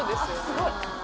すごい。